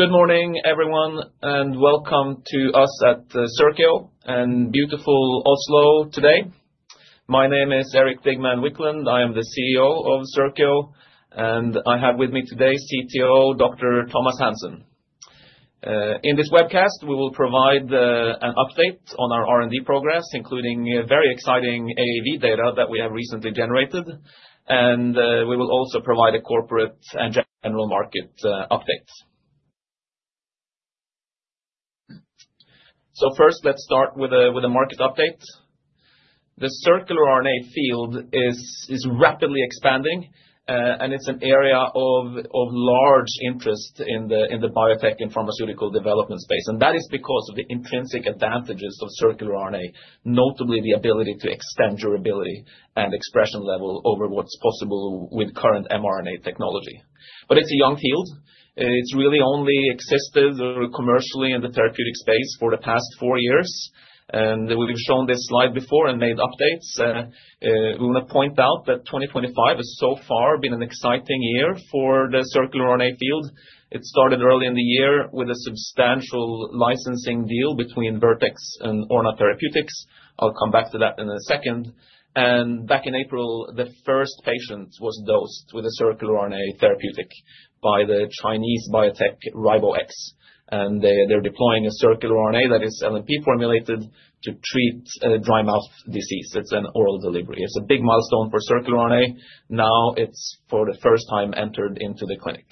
Good morning, everyone, and welcome to us at Circio and beautiful Oslo today. My name is Erik Digman Wiklund. I am the CEO of Circio, and I have with me today CTO Dr. Thomas Hansen. In this webcast, we will provide an update on our R&D progress, including very exciting AAV data that we have recently generated. We will also provide a corporate and general market update. First, let's start with a market update. The circular RNA field is rapidly expanding, and it's an area of large interest in the biotech and pharmaceutical development space. That is because of the intrinsic advantages of circular RNA, notably the ability to extend durability and expression level over what's possible with current mRNA technology. It's a young field. It's really only existed commercially in the therapeutic space for the past four years. We have shown this slide before and made updates. We want to point out that 2025 has so far been an exciting year for the circular RNA field. It started early in the year with a substantial licensing deal between Vertex and Orna Therapeutics. I will come back to that in a second. Back in April, the first patient was dosed with a circular RNA therapeutic by the Chinese biotech RiboX. They are deploying a circular RNA that is LNP formulated to treat dry mouth disease. It is an oral delivery. It is a big milestone for circular RNA. Now it has, for the first time, entered into the clinic.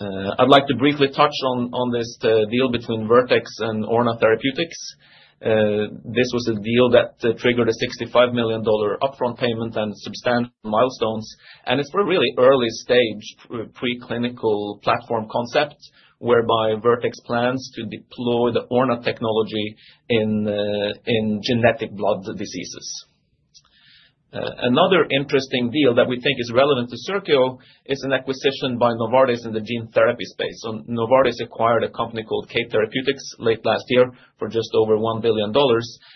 I would like to briefly touch on this deal between Vertex and Orna Therapeutics. This was a deal that triggered a $65 million upfront payment and substantial milestones. It is for a really early stage preclinical platform concept whereby Vertex plans to deploy the Orna technology in genetic blood diseases. Another interesting deal that we think is relevant to Circio is an acquisition by Novartis in the gene therapy space. Novartis acquired a company called Kate Therapeutics late last year for just over $1 billion.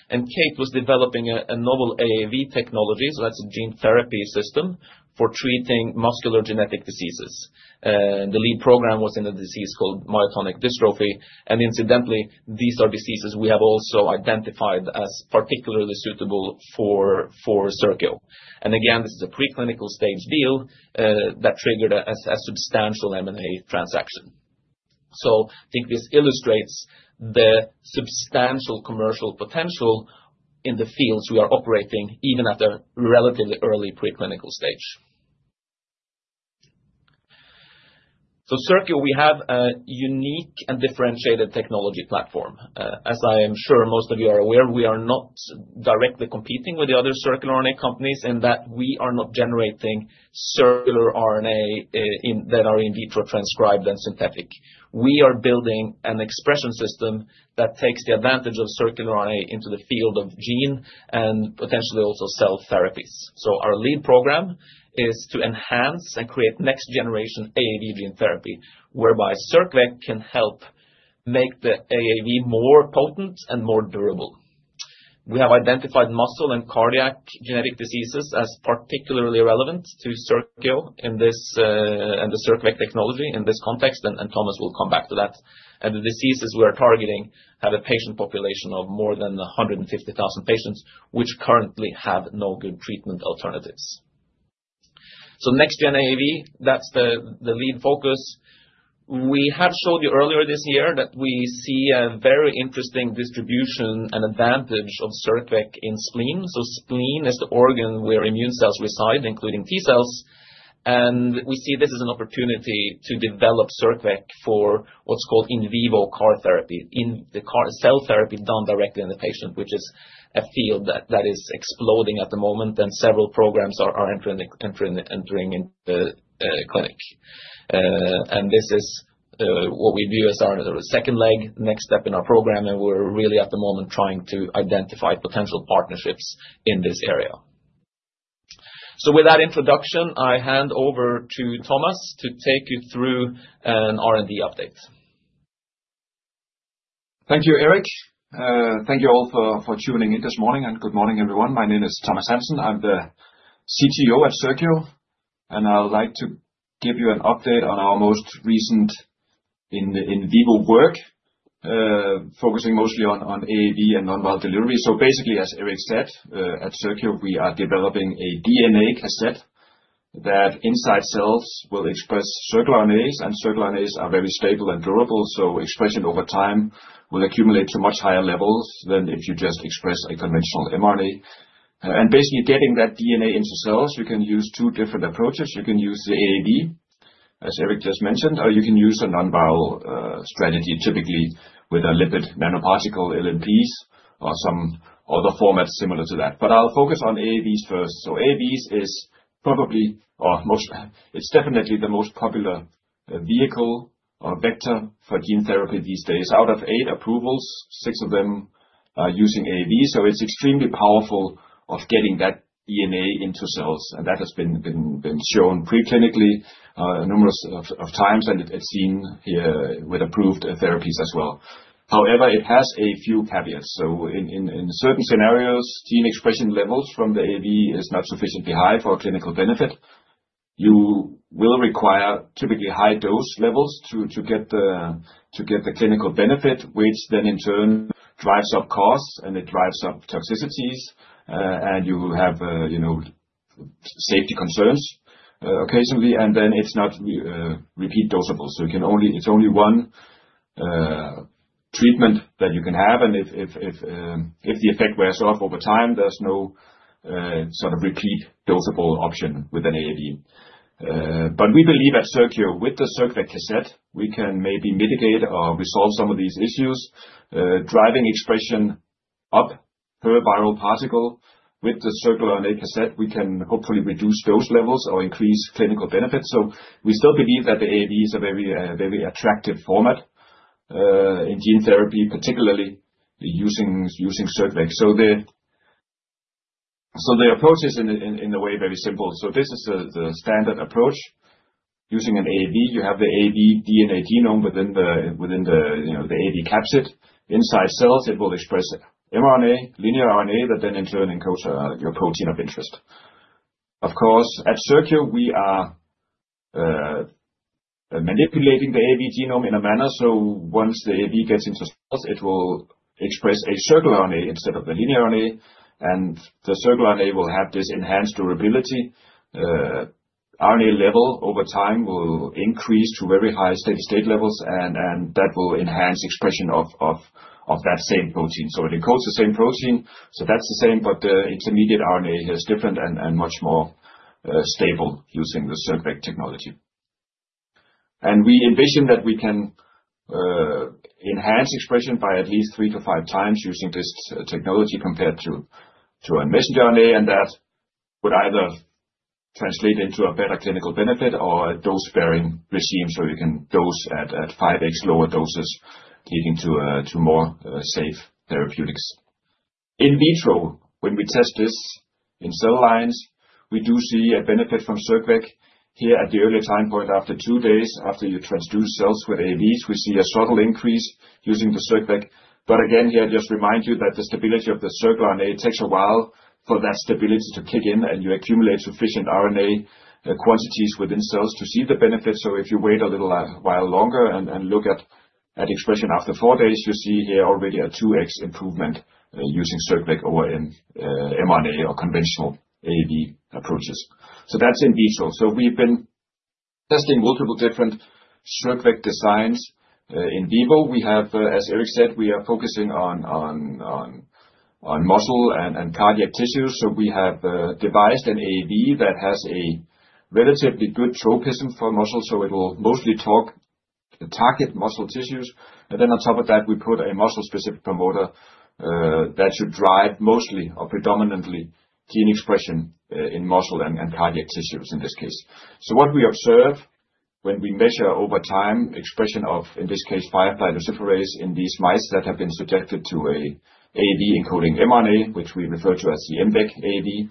Kate was developing a novel AAV technology. That is a gene therapy system for treating muscular genetic diseases. The lead program was in a disease called myotonic dystrophy. Incidentally, these are diseases we have also identified as particularly suitable for Circio. Again, this is a preclinical stage deal that triggered a substantial M&A transaction. I think this illustrates the substantial commercial potential in the fields we are operating even at a relatively early preclinical stage. Circio, we have a unique and differentiated technology platform. As I am sure most of you are aware, we are not directly competing with the other circular RNA companies in that we are not generating circular RNA that are in vitro transcribed and synthetic. We are building an expression system that takes the advantage of circular RNA into the field of gene and potentially also cell therapies. Our lead program is to enhance and create next generation AAV gene therapy whereby CircVec can help make the AAV more potent and more durable. We have identified muscle and cardiac genetic diseases as particularly relevant to Circio and the CircVec technology in this context. Thomas will come back to that. The diseases we are targeting have a patient population of more than 150,000 patients, which currently have no good treatment alternatives. Next gen AAV, that's the lead focus. We had showed you earlier this year that we see a very interesting distribution and advantage of CircVec in spleen. Spleen is the organ where immune cells reside, including T cells. We see this as an opportunity to develop CircVec for what's called in vivo CAR therapy, cell therapy done directly in the patient, which is a field that is exploding at the moment. Several programs are entering the clinic. This is what we view as our second leg, next step in our program. We're really at the moment trying to identify potential partnerships in this area. With that introduction, I hand over to Thomas to take you through an R&D update. Thank you, Erik. Thank you all for tuning in this morning. Good morning, everyone. My name is Thomas Hansen. I'm the CTO at Circio. I'd like to give you an update on our most recent in vivo work, focusing mostly on AAV and non-viral delivery. Basically, as Erik said, at Circio, we are developing a DNA cassette that inside cells will express circular RNAs. Circular RNAs are very stable and durable. Expression over time will accumulate to much higher levels than if you just express a conventional mRNA. Basically, getting that DNA into cells, you can use two different approaches. You can use the AAV, as Erik just mentioned, or you can use a non-viral strategy, typically with a lipid nanoparticle, LNPs, or some other format similar to that. I'll focus on AAVs first. AAVs is probably most, it's definitely the most popular vehicle or vector for gene therapy these days. Out of eight approvals, six of them are using AAV. It's extremely powerful of getting that DNA into cells. That has been shown preclinically numerous times. It's seen here with approved therapies as well. However, it has a few caveats. In certain scenarios, gene expression levels from the AAV is not sufficiently high for clinical benefit. You will require typically high dose levels to get the clinical benefit, which then in turn drives up costs and it drives up toxicities. You have safety concerns occasionally. It's not repeat dosable. It's only one treatment that you can have. If the effect wears off over time, there's no sort of repeat dosable option with an AAV. We believe at Circio, with the circVec cassette, we can maybe mitigate or resolve some of these issues, driving expression up per viral particle. With the circular RNA cassette, we can hopefully reduce dose levels or increase clinical benefits. We still believe that the AAV is a very attractive format in gene therapy, particularly using circVec. The approach is in a way very simple. This is the standard approach. Using an AAV, you have the AAV DNA genome within the AAV capsid. Inside cells, it will express mRNA, linear RNA, that then in turn encodes your protein of interest. Of course, at Circio, we are manipulating the AAV genome in a manner. Once the AAV gets into cells, it will express a circular RNA instead of the linear RNA. The circular RNA will have this enhanced durability. RNA level over time will increase to very high steady state levels. That will enhance expression of that same protein. It encodes the same protein, so that's the same. The intermediate RNA is different and much more stable using the circVec technology. We envision that we can enhance expression by at least three to five times using this technology compared to a messenger RNA. That would either translate into a better clinical benefit or a dose-bearing regime. You can dose at five x lower doses, leading to more safe therapeutics. In vitro, when we test this in cell lines, we do see a benefit from circVec. Here at the early time point, after two days after you transduce cells with AAVs, we see a subtle increase using the circVec. Again, here, I just remind you that the stability of the circular RNA takes a while for that stability to kick in. You accumulate sufficient RNA quantities within cells to see the benefit. If you wait a little while longer and look at expression after four days, you see here already a 2x improvement using circVec over in mRNA or conventional AAV approaches. That is in vitro. We have been testing multiple different circVec designs in vivo. As Erik said, we are focusing on muscle and cardiac tissues. We have devised an AAV that has a relatively good tropism for muscle. It will mostly target muscle tissues. On top of that, we put a muscle-specific promoter that should drive mostly or predominantly gene expression in muscle and cardiac tissues in this case. What we observe when we measure over time expression of, in this case, firefly luciferase in these mice that have been subjected to an AAV encoding mRNA, which we refer to as the MVEC AAV,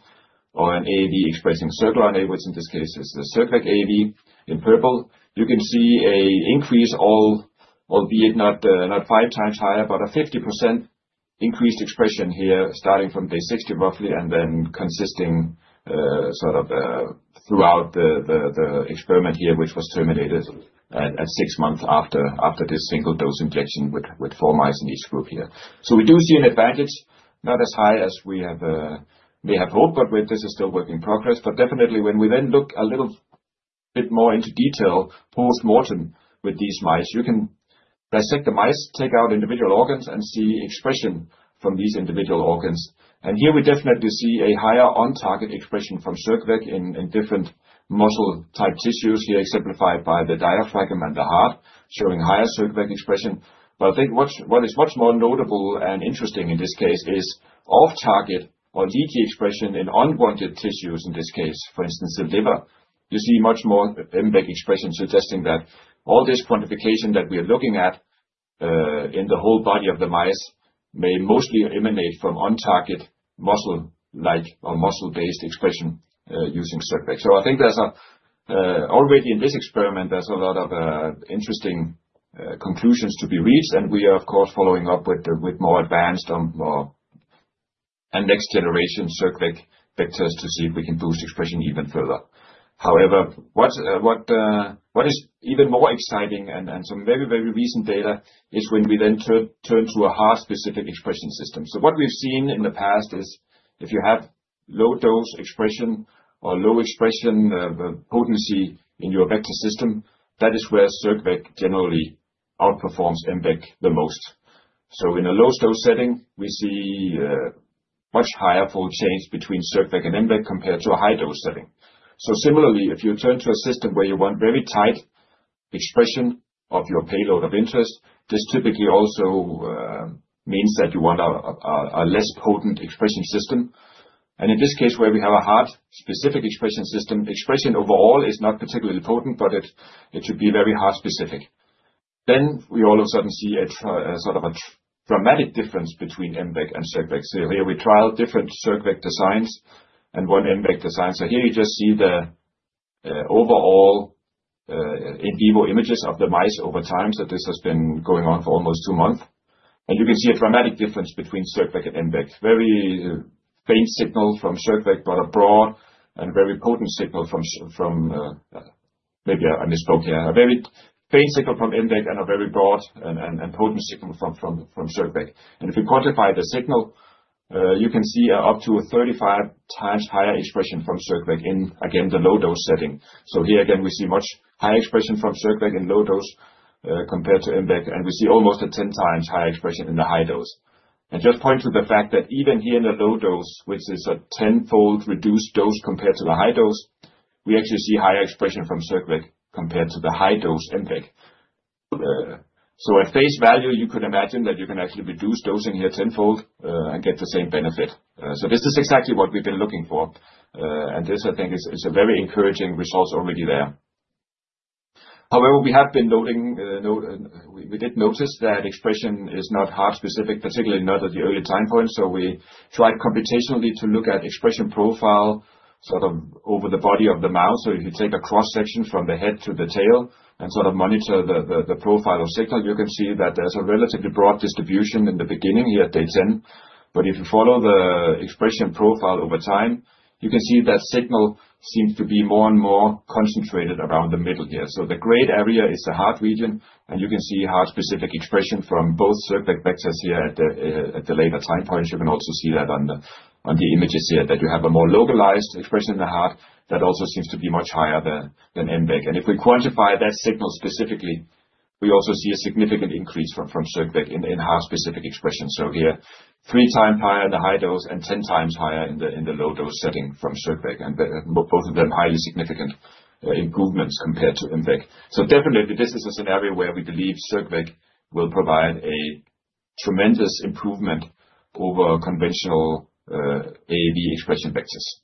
or an AAV expressing circular RNA, which in this case is the CircVec AAV in purple. You can see an increase, albeit not five times higher, but a 50% increased expression here starting from day 60 roughly, and then consisting sort of throughout the experiment here, which was terminated at six months after this single dose injection with four mice in each group here. We do see an advantage, not as high as we may have hoped, but this is still work in progress. Definitely, when we then look a little bit more into detail postmortem with these mice, you can dissect the mice, take out individual organs, and see expression from these individual organs. Here we definitely see a higher on-target expression from circVec in different muscle-type tissues, exemplified by the diaphragm and the heart, showing higher circVec expression. I think what is much more notable and interesting in this case is off-target or leaky expression in unwanted tissues, in this case, for instance, the liver. You see much more MVEC expression, suggesting that all this quantification that we are looking at in the whole body of the mice may mostly emanate from on-target muscle-like or muscle-based expression using circVec. I think already in this experiment, there is a lot of interesting conclusions to be reached. We are, of course, following up with more advanced and next generation circVec vectors to see if we can boost expression even further. However, what is even more exciting, and some very, very recent data, is when we then turn to a heart-specific expression system. What we have seen in the past is if you have low dose expression or low expression potency in your vector system, that is where circVec generally outperforms MVEC the most. In a low dose setting, we see much higher fold change between circVec and MVEC compared to a high dose setting. Similarly, if you turn to a system where you want very tight expression of your payload of interest, this typically also means that you want a less potent expression system. In this case, where we have a heart-specific expression system, expression overall is not particularly potent, but it should be very heart-specific. We all of a sudden see a sort of a dramatic difference between MVEC and circVec. Here we trial different circVec designs and one MVEC design. Here you just see the overall in vivo images of the mice over time. This has been going on for almost two months. You can see a dramatic difference between circVec and MVEC. Very faint signal from MVEC and a broad and very potent signal from circVec. If you quantify the signal, you can see up to 35 times higher expression from circVec in, again, the low dose setting. Here, again, we see much higher expression from circVec in low dose compared to MVEC. We see almost a 10 times higher expression in the high dose. I just point to the fact that even here in the low dose, which is a 10-fold reduced dose compared to the high dose, we actually see higher expression from circVec compared to the high dose MVEC. At face value, you could imagine that you can actually reduce dosing here 10-fold and get the same benefit. This is exactly what we've been looking for. This, I think, is a very encouraging result already there. However, we have been noting, we did notice that expression is not heart-specific, particularly not at the early time point. We tried computationally to look at expression profile sort of over the body of the mouse. If you take a cross-section from the head to the tail and sort of monitor the profile of signal, you can see that there's a relatively broad distribution in the beginning here at day 10. If you follow the expression profile over time, you can see that signal seems to be more and more concentrated around the middle here. The gray area is the heart region. You can see heart-specific expression from both circVec vectors here at the later time points. You can also see that on the images here that you have a more localized expression in the heart that also seems to be much higher than MVEC. If we quantify that signal specifically, we also see a significant increase from circVec in heart-specific expression. Here, three times higher in the high dose and 10 times higher in the low dose setting from circVec. Both of them are highly significant improvements compared to MVEC. Definitely, this is a scenario where we believe circVec will provide a tremendous improvement over conventional AAV expression vectors.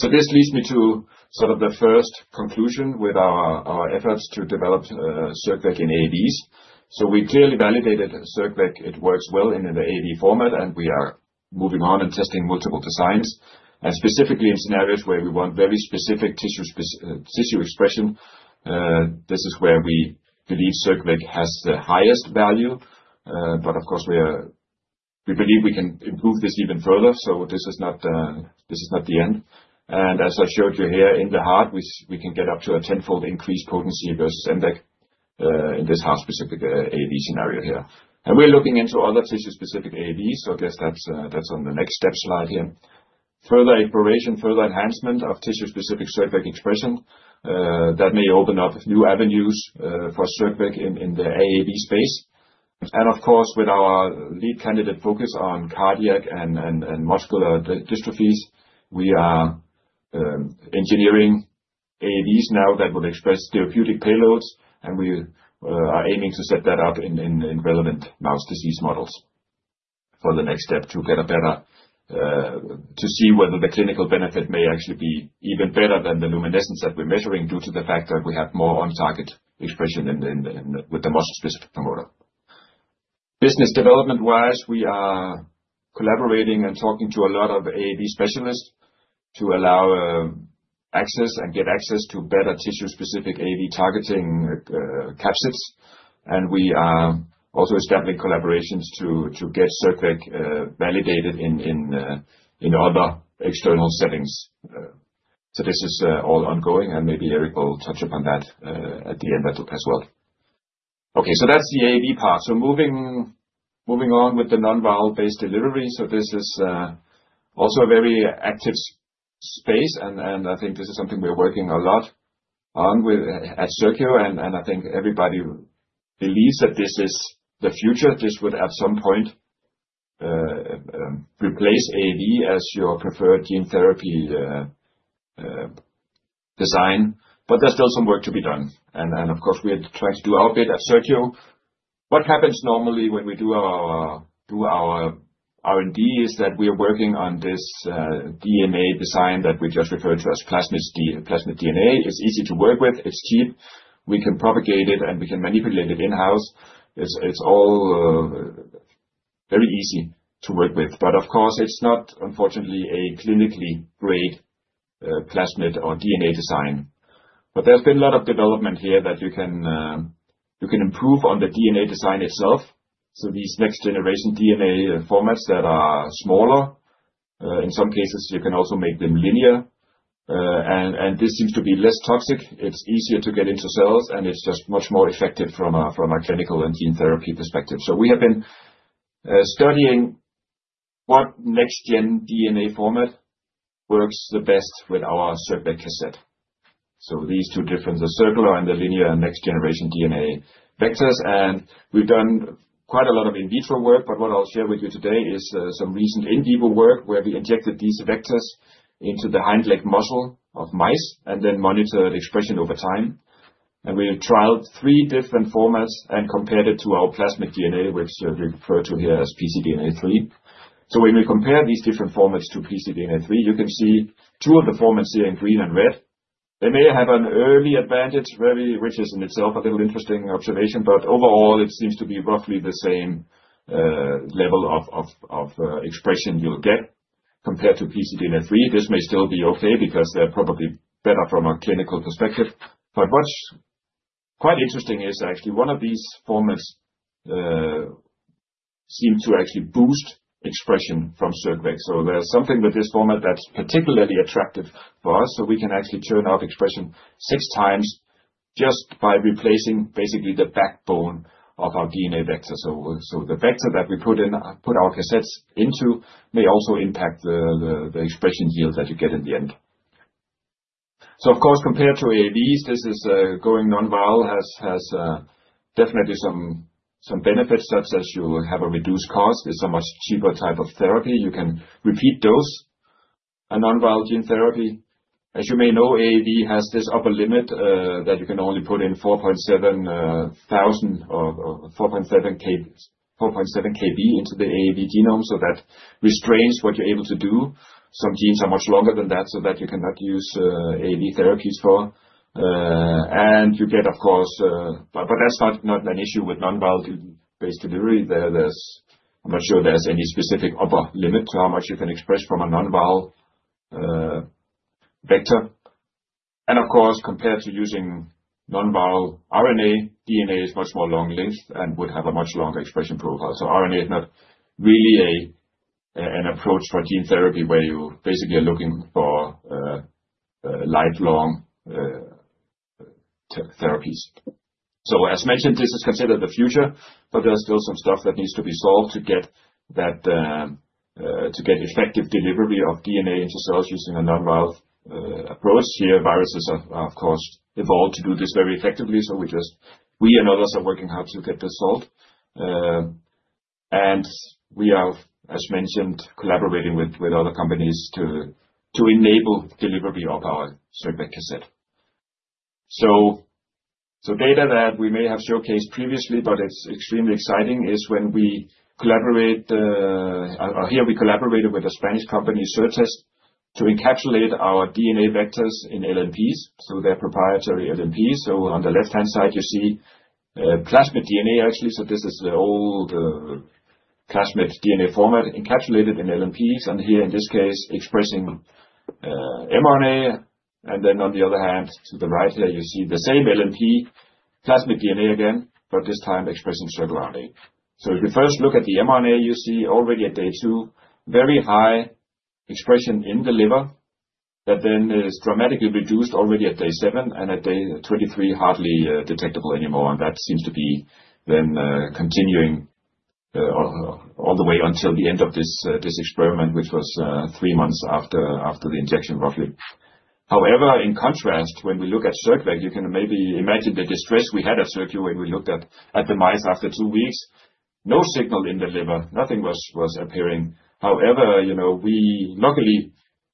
This leads me to sort of the first conclusion with our efforts to develop circVec in AAVs. We clearly validated circVec. It works well in the AAV format. We are moving on and testing multiple designs. Specifically, in scenarios where we want very specific tissue expression, this is where we believe circVec has the highest value. Of course, we believe we can improve this even further. This is not the end. As I showed you here in the heart, we can get up to a 10-fold increased potency versus MVEC in this heart-specific AAV scenario here. We are looking into other tissue-specific AAVs. I guess that is on the next step slide here. Further exploration, further enhancement of tissue-specific circVec expression may open up new avenues for circVec in the AAV space. Of course, with our lead candidate focus on cardiac and muscular dystrophies, we are engineering AAVs now that will express therapeutic payloads. We are aiming to set that up in relevant mouse disease models for the next step to get a better sense to see whether the clinical benefit may actually be even better than the luminescence that we are measuring due to the fact that we have more on-target expression with the muscle-specific promoter. Business development-wise, we are collaborating and talking to a lot of AAV specialists to allow access and get access to better tissue-specific AAV targeting capsids. We are also establishing collaborations to get circVec validated in other external settings. This is all ongoing. Maybe Erik will touch upon that at the end as well. Okay. That is the AAV part. Moving on with the non-viral-based delivery. This is also a very active space. I think this is something we're working a lot on at Circio. I think everybody believes that this is the future. This would at some point replace AAV as your preferred gene therapy design. There is still some work to be done. Of course, we're trying to do our bit at Circio. What happens normally when we do our R&D is that we are working on this DNA design that we just refer to as plasmid DNA. It's easy to work with. It's cheap. We can propagate it, and we can manipulate it in-house. It's all very easy to work with. Of course, it's not, unfortunately, a clinically great plasmid or DNA design. There's been a lot of development here that you can improve on the DNA design itself. These next-generation DNA formats that are smaller, in some cases, you can also make them linear. This seems to be less toxic. It's easier to get into cells. It's just much more effective from a clinical and gene therapy perspective. We have been studying what next-gen DNA format works the best with our circVec cassette. These two different, the circular and the linear next-generation DNA vectors. We have done quite a lot of in vitro work. What I will share with you today is some recent in vivo work where we injected these vectors into the hind leg muscle of mice and then monitored expression over time. We trialed three different formats and compared it to our plasmid DNA, which we refer to here as pcDNA3. When we compare these different formats to pcDNA3, you can see two of the formats here in green and red. They may have an early advantage, which is in itself a little interesting observation. Overall, it seems to be roughly the same level of expression you will get compared to pcDNA3. This may still be okay because they are probably better from a clinical perspective. What is quite interesting is actually one of these formats seemed to actually boost expression from circVec. There's something with this format that's particularly attractive for us. We can actually turn out expression six times just by replacing basically the backbone of our DNA vector. The vector that we put our cassettes into may also impact the expression yield that you get in the end. Of course, compared to AAVs, this is going non-viral has definitely some benefits, such as you have a reduced cost. It's a much cheaper type of therapy. You can repeat dose a non-viral gene therapy. As you may know, AAV has this upper limit that you can only put in 4.7 KB into the AAV genome. That restrains what you're able to do. Some genes are much longer than that so that you cannot use AAV therapies for. You get, of course, but that's not an issue with non-viral-based delivery. I'm not sure there's any specific upper limit to how much you can express from a non-viral vector. Of course, compared to using non-viral RNA, DNA is much more long-lived and would have a much longer expression profile. RNA is not really an approach for gene therapy where you basically are looking for lifelong therapies. As mentioned, this is considered the future. There is still some stuff that needs to be solved to get effective delivery of DNA into cells using a non-viral approach. Here, viruses are, of course, evolved to do this very effectively. We and others are working hard to get this solved. We are, as mentioned, collaborating with other companies to enable delivery of our circVec cassette. Data that we may have showcased previously, but it's extremely exciting, is when we collaborate. Here we collaborated with a Spanish company, Cirtest, to encapsulate our DNA vectors in LNPs. They're proprietary LNPs. On the left-hand side, you see plasmid DNA, actually. This is the old plasmid DNA format encapsulated in LNPs. In this case, expressing mRNA. On the other hand, to the right here, you see the same LNP, plasmid DNA again, but this time expressing circular RNA. If you first look at the mRNA, you see already at day two, very high expression in the liver that then is dramatically reduced already at day seven. At day 23, hardly detectable anymore. That seems to be then continuing all the way until the end of this experiment, which was three months after the injection, roughly. However, in contrast, when we look at circVec, you can maybe imagine the distress we had at Circio when we looked at the mice after two weeks. No signal in the liver. Nothing was appearing. However, luckily,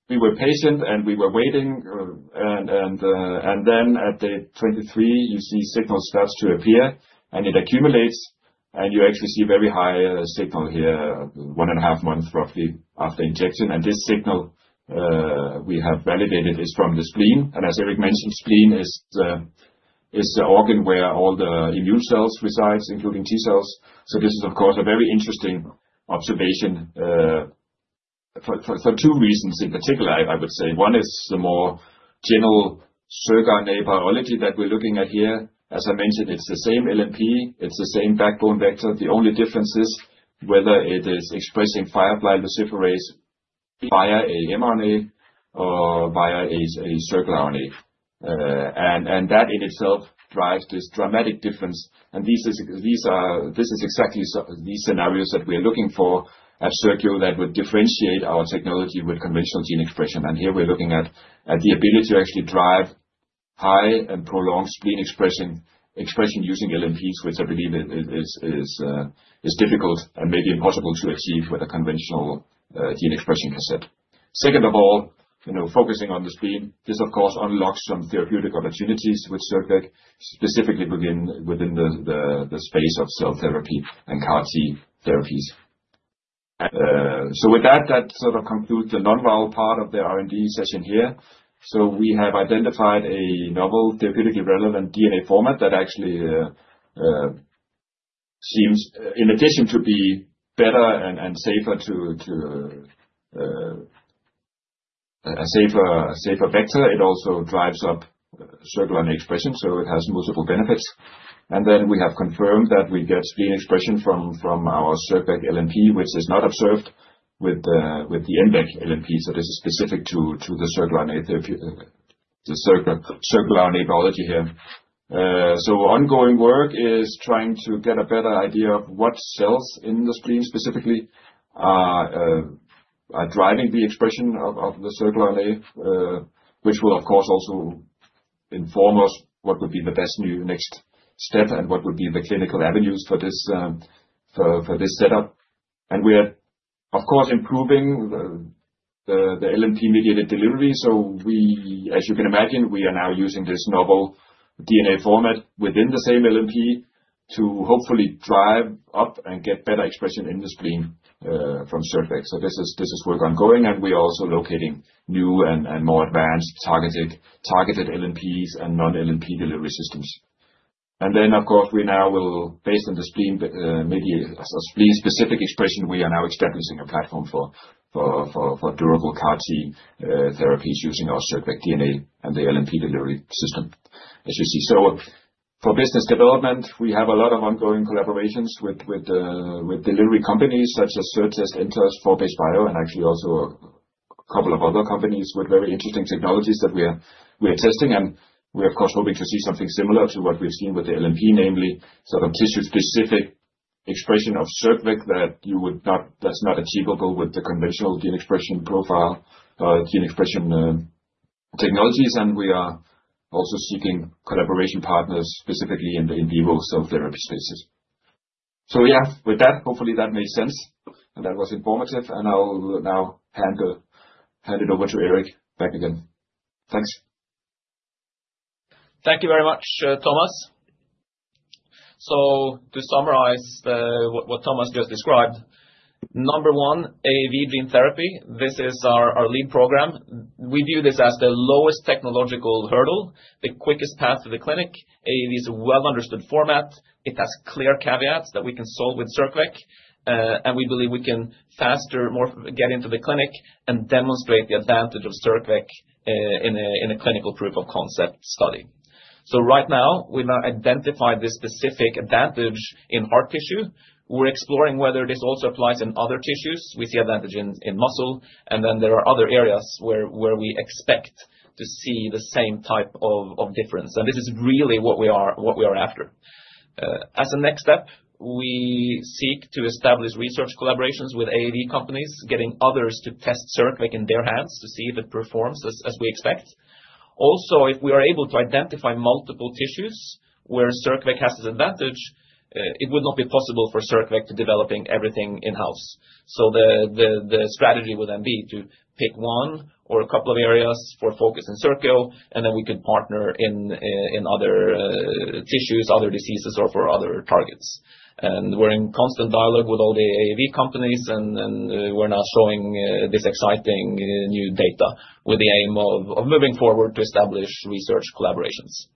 we were patient, and we were waiting. At day 23, you see signal starts to appear. It accumulates. You actually see very high signal here, one and a half months, roughly, after injection. This signal we have validated is from the spleen. As Erik mentioned, spleen is the organ where all the immune cells reside, including T cells. This is, of course, a very interesting observation for two reasons in particular, I would say. One is the more general circular RNA biology that we're looking at here. As I mentioned, it's the same LNP. It's the same backbone vector. The only difference is whether it is expressing firefly luciferase via a mRNA or via a circular RNA. That in itself drives this dramatic difference. This is exactly these scenarios that we are looking for at Circio that would differentiate our technology with conventional gene expression. Here, we're looking at the ability to actually drive high and prolonged spleen expression using LNPs, which I believe is difficult and maybe impossible to achieve with a conventional gene expression cassette. Second of all, focusing on the spleen, this, of course, unlocks some therapeutic opportunities with circVec, specifically within the space of cell therapy and CAR T therapies. With that, that sort of concludes the non-vial part of the R&D session here. We have identified a novel, therapeutically relevant DNA format that actually seems, in addition to being better and safer as a vector, it also drives up circular RNA expression. It has multiple benefits. We have confirmed that we get spleen expression from our circVec LNP, which is not observed with the MVEC LNP. This is specific to the circular RNA biology here. Ongoing work is trying to get a better idea of what cells in the spleen specifically are driving the expression of the circular RNA, which will, of course, also inform us what would be the best next step and what would be the clinical avenues for this setup. We are, of course, improving the LNP-mediated delivery. As you can imagine, we are now using this novel DNA format within the same LNP to hopefully drive up and get better expression in the spleen from circVec. This is work ongoing. We are also locating new and more advanced targeted LNPs and non-LNP delivery systems. Of course, we now will, based on the spleen-specific expression, establish a platform for durable CAR T therapies using our circVec DNA and the LNP delivery system, as you see. For business development, we have a lot of ongoing collaborations with delivery companies such as Cirtest, Intas, FORGE BIOLOGICS, and actually also a couple of other companies with very interesting technologies that we are testing. We're, of course, hoping to see something similar to what we've seen with the LNP, namely sort of tissue-specific expression of circVec that's not achievable with the conventional gene expression technologies. We are also seeking collaboration partners specifically in the in vivo cell therapy spaces. Yeah, with that, hopefully, that made sense. That was informative. I'll now hand it over to Erik back again. Thanks. Thank you very much, Thomas. To summarize what Thomas just described, number one, AAV gene therapy, this is our lead program. We view this as the lowest technological hurdle, the quickest path to the clinic. AAV is a well-understood format. It has clear caveats that we can solve with circVec. We believe we can faster, more get into the clinic and demonstrate the advantage of circVec in a clinical proof of concept study. Right now, we've now identified this specific advantage in heart tissue. We're exploring whether this also applies in other tissues. We see advantage in muscle. There are other areas where we expect to see the same type of difference. This is really what we are after. As a next step, we seek to establish research collaborations with AAV companies, getting others to test circVec in their hands to see if it performs as we expect. Also, if we are able to identify multiple tissues where circVec has this advantage, it would not be possible for circVec to develop everything in-house. The strategy would then be to pick one or a couple of areas for focus in circVec. We could partner in other tissues, other diseases, or for other targets. We're in constant dialogue with all the AAV companies. We're now showing this exciting new data with the aim of moving forward to establish research collaborations.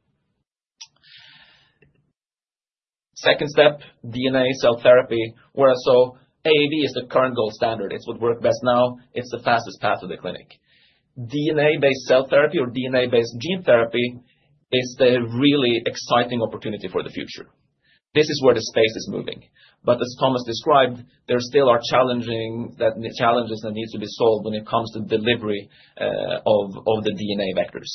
The second step, DNA cell therapy. AAV is the current gold standard. It is what works best now. It is the fastest path to the clinic. DNA-based cell therapy or DNA-based gene therapy is the really exciting opportunity for the future. This is where the space is moving. As Thomas described, there still are challenges that need to be solved when it comes to delivery of the DNA vectors.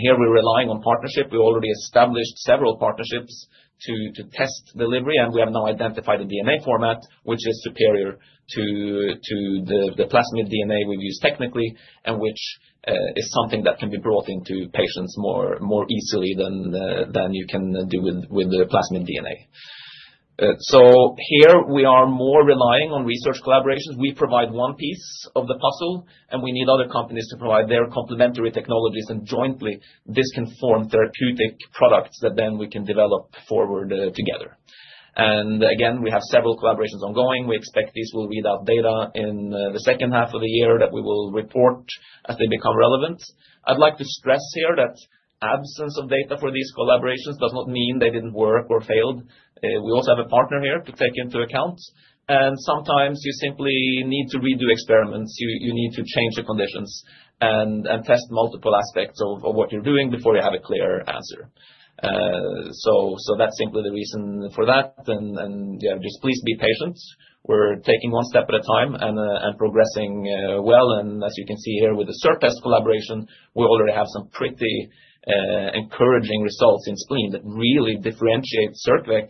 Here, we're relying on partnership. We already established several partnerships to test delivery. We have now identified a DNA format which is superior to the plasmid DNA we've used technically and which is something that can be brought into patients more easily than you can do with the plasmid DNA. Here, we are more relying on research collaborations. We provide one piece of the puzzle. We need other companies to provide their complementary technologies. Jointly, this can form therapeutic products that then we can develop forward together. We have several collaborations ongoing. We expect these will read out data in the second half of the year that we will report as they become relevant. I'd like to stress here that absence of data for these collaborations does not mean they did not work or failed. We also have a partner here to take into account. Sometimes, you simply need to redo experiments. You need to change the conditions and test multiple aspects of what you're doing before you have a clear answer. That is simply the reason for that. Please be patient. We're taking one step at a time and progressing well. As you can see here with the Cirtest collaboration, we already have some pretty encouraging results in spleen that really differentiate circVec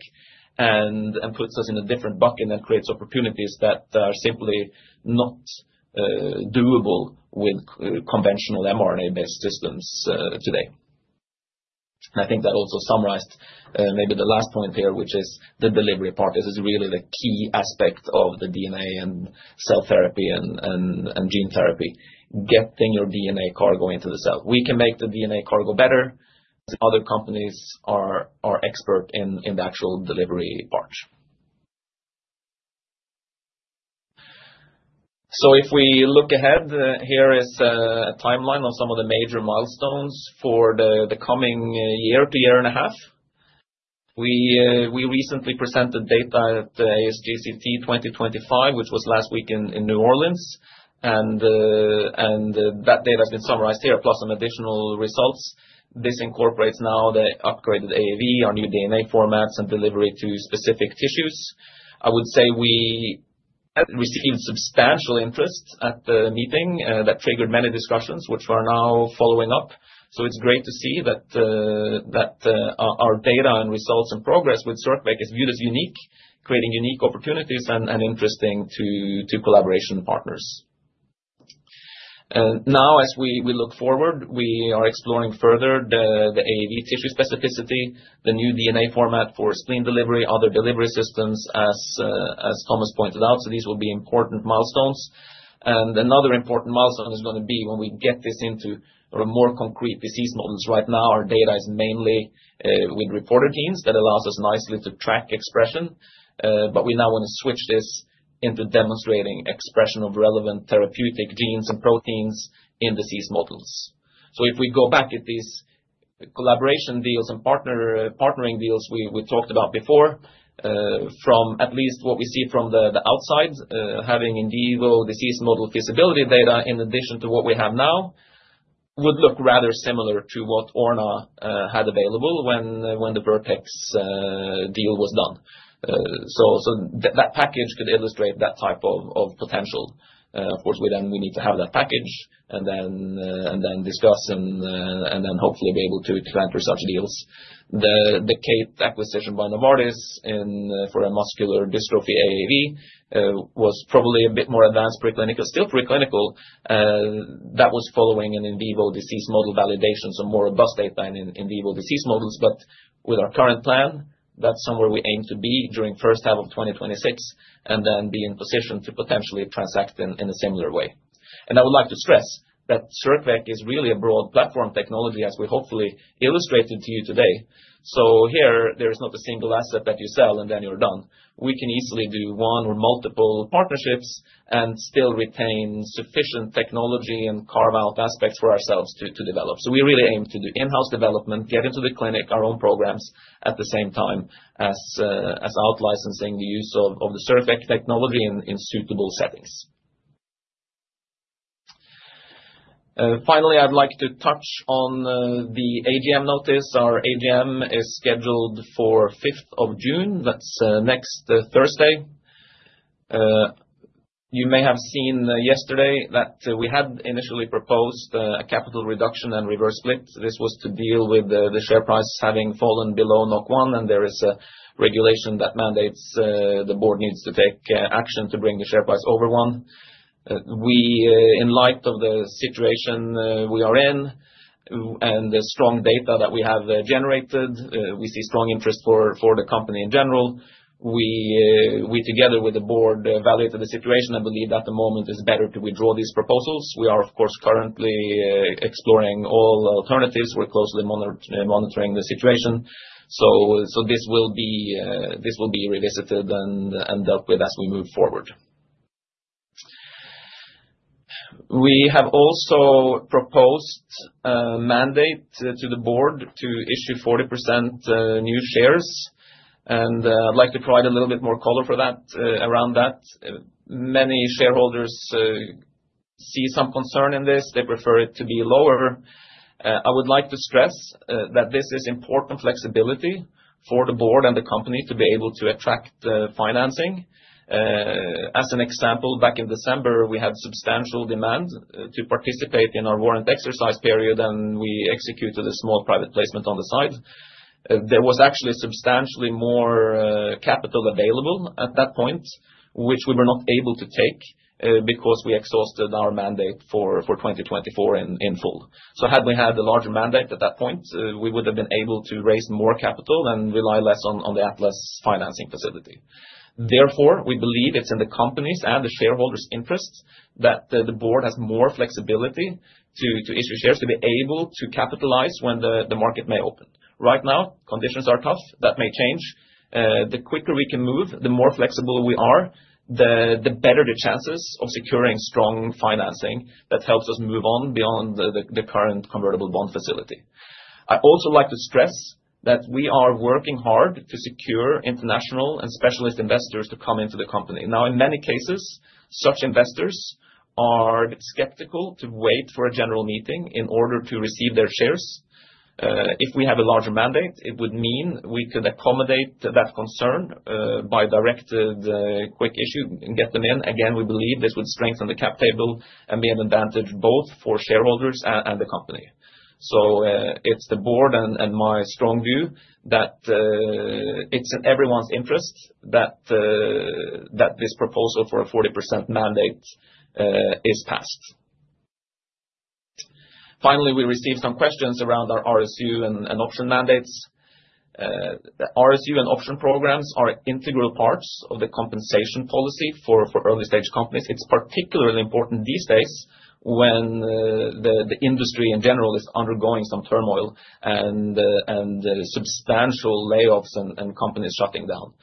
and puts us in a different bucket and creates opportunities that are simply not doable with conventional mRNA-based systems today. I think that also summarized maybe the last point here, which is the delivery part. This is really the key aspect of the DNA and cell therapy and gene therapy, getting your DNA cargo into the cell. We can make the DNA cargo better. Other companies are expert in the actual delivery part. If we look ahead, here is a timeline of some of the major milestones for the coming year to year and a half. We recently presented data at the ASGCT 2025, which was last week in New Orleans. That data has been summarized here, plus some additional results. This incorporates now the upgraded AAV, our new DNA formats, and delivery to specific tissues. I would say we received substantial interest at the meeting that triggered many discussions, which we are now following up. It is great to see that our data and results and progress with circVec is viewed as unique, creating unique opportunities and interesting to collaboration partners. Now, as we look forward, we are exploring further the AAV tissue specificity, the new DNA format for spleen delivery, other delivery systems, as Thomas pointed out. These will be important milestones. Another important milestone is going to be when we get this into more concrete disease models. Right now, our data is mainly with reporter genes that allows us nicely to track expression. We now want to switch this into demonstrating expression of relevant therapeutic genes and proteins in disease models. If we go back at these collaboration deals and partnering deals we talked about before, from at least what we see from the outside, having in vivo disease model feasibility data in addition to what we have now would look rather similar to what Orna had available when the Vertex deal was done. That package could illustrate that type of potential. Of course, we then need to have that package and then discuss and then hopefully be able to enter such deals. The Kate acquisition by Novartis for a muscular dystrophy AAV was probably a bit more advanced preclinical, still preclinical. That was following an in vivo disease model validation, so more robust data in in vivo disease models. With our current plan, that's somewhere we aim to be during the first half of 2026 and then be in position to potentially transact in a similar way. I would like to stress that circVec is really a broad platform technology, as we hopefully illustrated to you today. Here, there is not a single asset that you sell and then you're done. We can easily do one or multiple partnerships and still retain sufficient technology and carve out aspects for ourselves to develop. We really aim to do in-house development, get into the clinic, our own programs at the same time as outlicensing the use of the circVec technology in suitable settings. Finally, I'd like to touch on the AGM notice. Our AGM is scheduled for 5th of June. That's next Thursday. You may have seen yesterday that we had initially proposed a capital reduction and reverse split. This was to deal with the share price having fallen below 1. There is a regulation that mandates the board needs to take action to bring the share price over one. In light of the situation we are in and the strong data that we have generated, we see strong interest for the company in general. We, together with the board, evaluated the situation. I believe at the moment it's better to withdraw these proposals. We are, of course, currently exploring all alternatives. We're closely monitoring the situation. This will be revisited and dealt with as we move forward. We have also proposed a mandate to the board to issue 40% new shares. I'd like to provide a little bit more color around that. Many shareholders see some concern in this. They prefer it to be lower. I would like to stress that this is important flexibility for the board and the company to be able to attract financing. As an example, back in December, we had substantial demand to participate in our warrant exercise period. We executed a small private placement on the side. There was actually substantially more capital available at that point, which we were not able to take because we exhausted our mandate for 2024 in full. Had we had a larger mandate at that point, we would have been able to raise more capital and rely less on the Atlas financing facility. Therefore, we believe it is in the company's and the shareholders' interests that the board has more flexibility to issue shares to be able to capitalize when the market may open. Right now, conditions are tough. That may change. The quicker we can move, the more flexible we are, the better the chances of securing strong financing that helps us move on beyond the current convertible bond facility. I also like to stress that we are working hard to secure international and specialist investors to come into the company. Now, in many cases, such investors are skeptical to wait for a general meeting in order to receive their shares. If we have a larger mandate, it would mean we could accommodate that concern by direct quick issue and get them in. Again, we believe this would strengthen the cap table and be an advantage both for shareholders and the company. It is the board and my strong view that it is in everyone's interest that this proposal for a 40% mandate is passed. Finally, we received some questions around our RSU and option mandates. RSU and option programs are integral parts of the compensation policy for early-stage companies. It is particularly important these days when the industry in general is undergoing some turmoil and substantial layoffs and companies shutting down.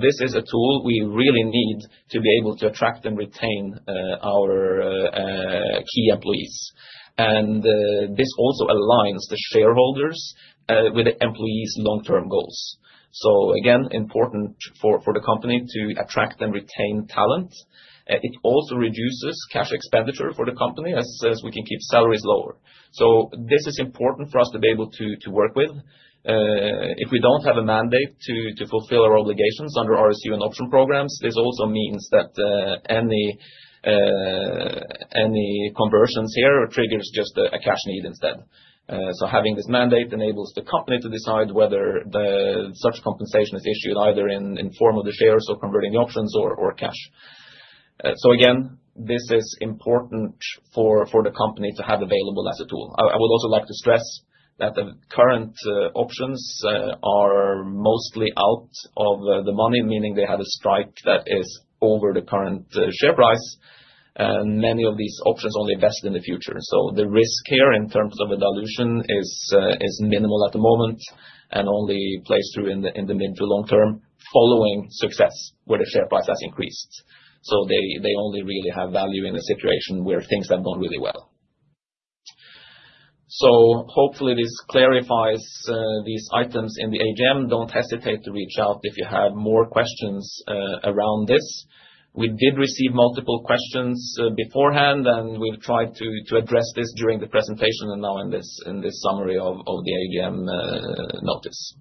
This is a tool we really need to be able to attract and retain our key employees. This also aligns the shareholders with the employees' long-term goals. Again, important for the company to attract and retain talent. It also reduces cash expenditure for the company as we can keep salaries lower. This is important for us to be able to work with. If we do not have a mandate to fulfill our obligations under RSU and option programs, this also means that any conversions here triggers just a cash need instead. Having this mandate enables the company to decide whether such compensation is issued either in form of the shares or converting the options or cash. Again, this is important for the company to have available as a tool. I would also like to stress that the current options are mostly out of the money, meaning they have a strike that is over the current share price. Many of these options only vest in the future. The risk here in terms of a dilution is minimal at the moment and only plays through in the mid to long term following success where the share price has increased. They only really have value in a situation where things have gone really well. Hopefully, this clarifies these items in the AGM. Do not hesitate to reach out if you have more questions around this. We did receive multiple questions beforehand. We have tried to address this during the presentation and now in this summary of the AGM notice.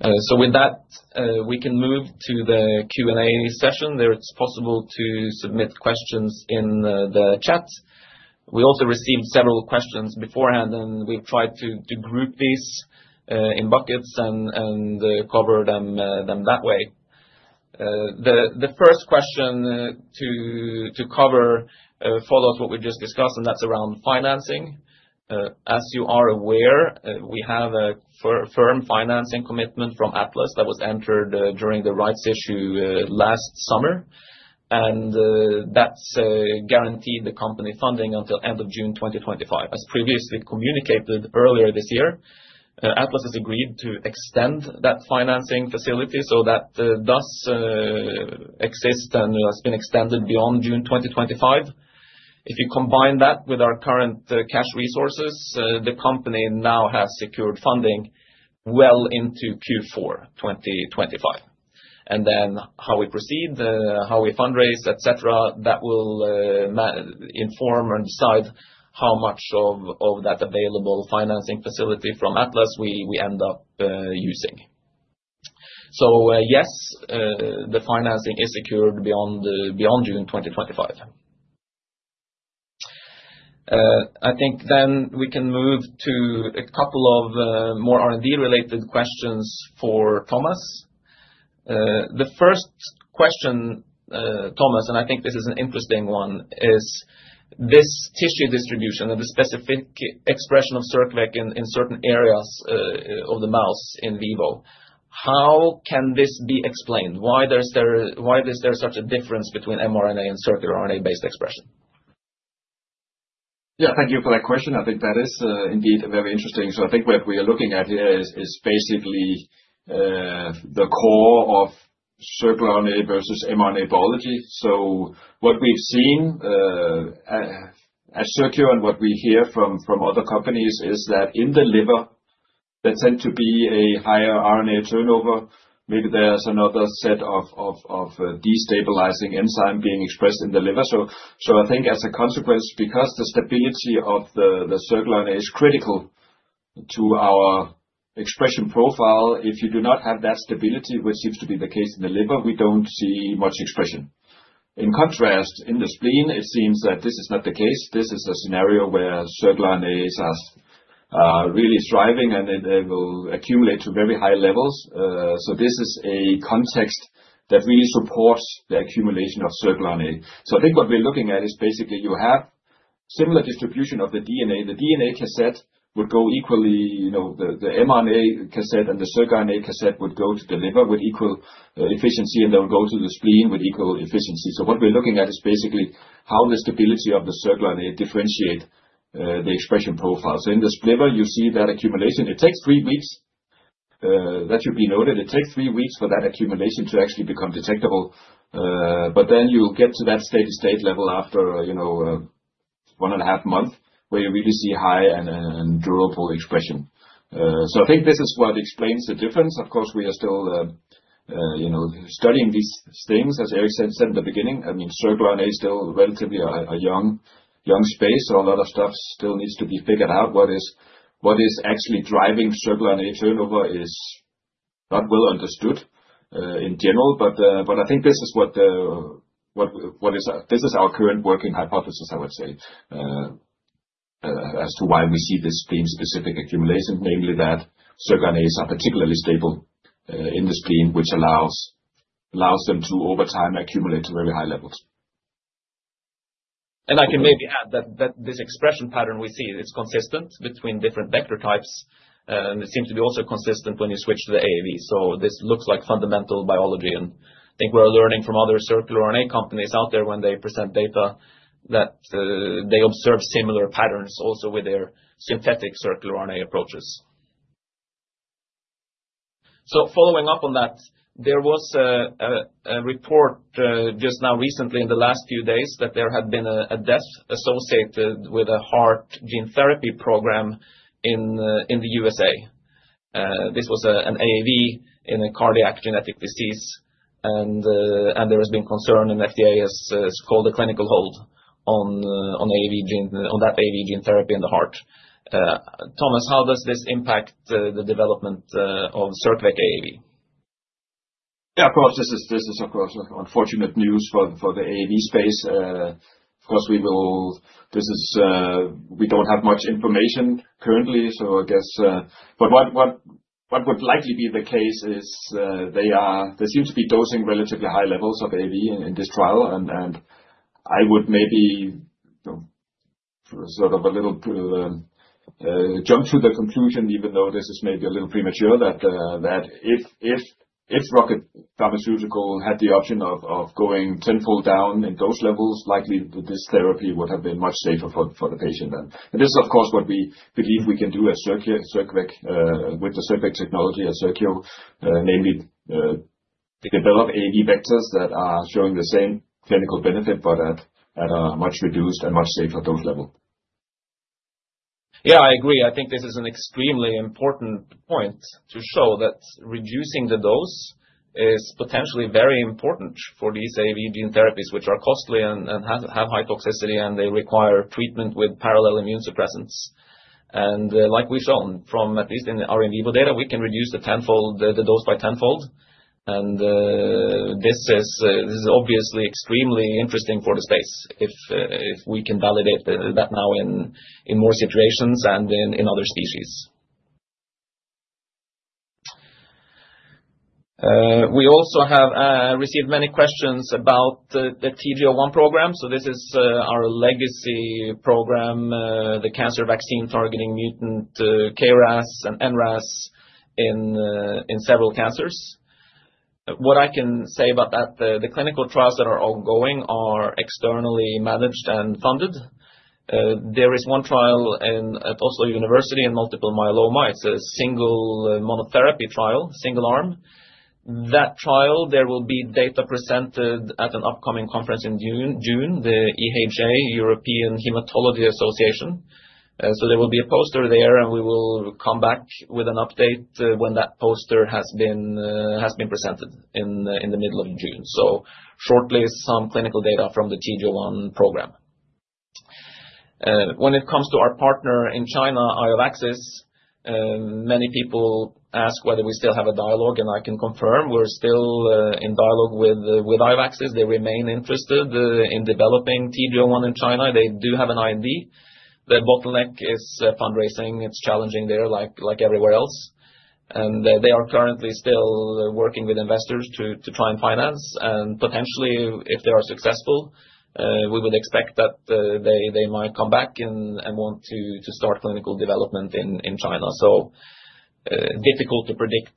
With that, we can move to the Q&A session. There it is possible to submit questions in the chat. We also received several questions beforehand. We have tried to group these in buckets and cover them that way. The first question to cover follows what we just discussed. That is around financing. As you are aware, we have a firm financing commitment from Atlas that was entered during the rights issue last summer. That has guaranteed the company funding until end of June 2025. As previously communicated earlier this year, Atlas has agreed to extend that financing facility so that does exist and has been extended beyond June 2025. If you combine that with our current cash resources, the company now has secured funding well into Q4 2025. How we proceed, how we fundraise, etc., that will inform and decide how much of that available financing facility from Atlas we end up using. Yes, the financing is secured beyond June 2025. I think then we can move to a couple of more R&D-related questions for Thomas. The first question, Thomas, and I think this is an interesting one, is this tissue distribution and the specific expression of circVec in certain areas of the mouse in vivo. How can this be explained? Why is there such a difference between mRNA and circular RNA-based expression? Yeah, thank you for that question. I think that is indeed very interesting. I think what we are looking at here is basically the core of circular RNA versus mRNA biology. What we've seen at circVec and what we hear from other companies is that in the liver, there tends to be a higher RNA turnover. Maybe there's another set of destabilizing enzymes being expressed in the liver. I think as a consequence, because the stability of the circular RNA is critical to our expression profile, if you do not have that stability, which seems to be the case in the liver, we don't see much expression. In contrast, in the spleen, it seems that this is not the case. This is a scenario where circular RNAs are really thriving and they will accumulate to very high levels. This is a context that really supports the accumulation of circular RNA. I think what we're looking at is basically you have similar distribution of the DNA. The DNA cassette would go equally, the mRNA cassette and the circular RNA cassette would go to the liver with equal efficiency, and they will go to the spleen with equal efficiency. What we're looking at is basically how the stability of the circular RNA differentiates the expression profile. In the liver, you see that accumulation. It takes three weeks. That should be noted. It takes three weeks for that accumulation to actually become detectable. You will get to that steady-state level after one and a half months where you really see high and durable expression. I think this is what explains the difference. Of course, we are still studying these things, as Erik said in the beginning. I mean, circular RNA is still relatively a young space. A lot of stuff still needs to be figured out. What is actually driving circular RNA turnover is not well understood in general. I think this is our current working hypothesis, I would say, as to why we see this spleen-specific accumulation, namely that circular RNAs are particularly stable in the spleen, which allows them to over time accumulate to very high levels. I can maybe add that this expression pattern we see, it's consistent between different vector types. It seems to be also consistent when you switch to the AAV. This looks like fundamental biology. I think we're learning from other circular RNA companies out there when they present data that they observe similar patterns also with their synthetic circular RNA approaches. Following up on that, there was a report just now recently in the last few days that there had been a death associated with a heart gene therapy program in the U.S. This was an AAV in a cardiac genetic disease. There has been concern, and the FDA has called a clinical hold on that AAV gene therapy in the heart. Thomas, how does this impact the development of circVec AAV? Yeah, of course. This is, of course, unfortunate news for the AAV space. Of course, we don't have much information currently, so I guess. What would likely be the case is they seem to be dosing relatively high levels of AAV in this trial. I would maybe sort of a little jump to the conclusion, even though this is maybe a little premature, that if Rocket Pharmaceutical had the option of going tenfold down in dose levels, likely this therapy would have been much safer for the patient. This is, of course, what we believe we can do with the circVec technology at Circio, namely develop AAV vectors that are showing the same clinical benefit, but at a much reduced and much safer dose level. Yeah, I agree. I think this is an extremely important point to show that reducing the dose is potentially very important for these AAV gene therapies, which are costly and have high toxicity. They require treatment with parallel immune suppressants. Like we've shown, from at least in the R&D data, we can reduce the dose by tenfold. This is obviously extremely interesting for the space if we can validate that now in more situations and in other species. We also have received many questions about the TGO1 program. This is our legacy program, the cancer vaccine targeting mutant KRAS and NRAS in several cancers. What I can say about that, the clinical trials that are ongoing are externally managed and funded. There is one trial at Oslo University in multiple myeloma. It is a single monotherapy trial, single arm. That trial, there will be data presented at an upcoming conference in June, the EHA, European Hematology Association. There will be a poster there. We will come back with an update when that poster has been presented in the middle of June. Shortly, some clinical data from the TGO1 program. When it comes to our partner in China, Iovaxis, many people ask whether we still have a dialogue. I can confirm we're still in dialogue with Iovaxis. They remain interested in developing TGO1 in China. They do have an IND. Their bottleneck is fundraising. It's challenging there like everywhere else. They are currently still working with investors to try and finance. Potentially, if they are successful, we would expect that they might come back and want to start clinical development in China. Difficult to predict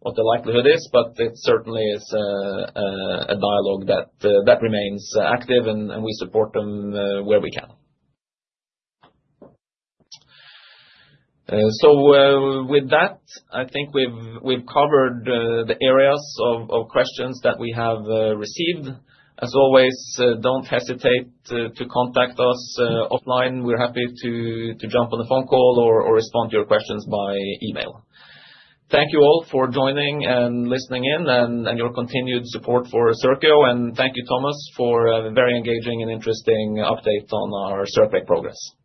what the likelihood is. It certainly is a dialogue that remains active. We support them where we can. I think we have covered the areas of questions that we have received. As always, do not hesitate to contact us offline. We are happy to jump on a phone call or respond to your questions by email. Thank you all for joining and listening in and your continued support for Circio. Thank you, Thomas, for a very engaging and interesting update on our circVec progress.